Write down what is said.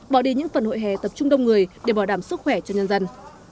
bỏ đi những phần hội hè tập trung đông người để bảo đảm sức khỏe cho nhân dân